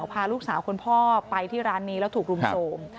พาลูกสาวคุณพ่อไปที่ร้านนี้แล้วถูกรุมโทรม